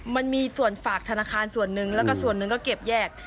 มันมีส่วนฝากธนาคารส่วนหนึ่งแล้วก็ส่วนหนึ่งก็เก็บแยก